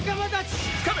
つかめ！